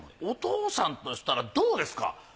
お父さんとしたらどうですか？